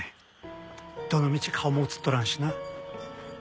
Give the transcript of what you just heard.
どのみち顔も映っとらんしな。